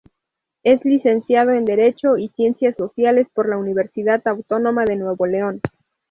Es Licenciado en Derecho y Ciencias Sociales por la Universidad Autónoma de Nuevo León.